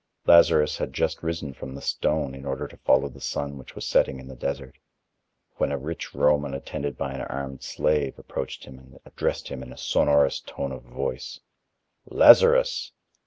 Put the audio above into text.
Lazarus had just risen from the stone in order to follow the sun which was setting in the desert, when a rich Roman attended by an armed slave, approached him and addressed him in a sonorous tone of voice: "Lazarus!"